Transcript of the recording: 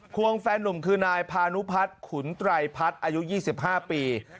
วงแฟนนุ่มคือนายพานุพัฒน์ขุนไตรพัฒน์อายุ๒๕ปี